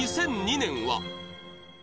２００２年は？